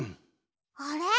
あれ？